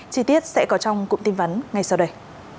chi tiết sẽ có trong cụm tin vắn ngay sau đây